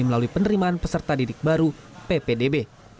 melalui penerimaan peserta didik baru ppdb